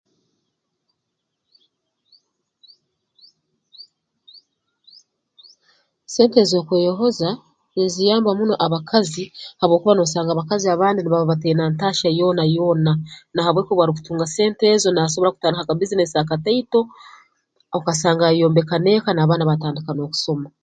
Sente ezookweyohoza niziyamba muno abakazi habwokuba noosanga abakazi abandi nibaba bataine ntaahya yoona yoona na habw'eki obu arukutunga sente ezo naasobora kutandikaho aka bbiizinesi akataito okasanga yayombeka n'eka n'abaana baatandika n'okusoma